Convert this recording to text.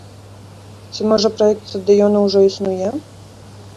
Ці, можа, праект стадыёна ўжо існуе?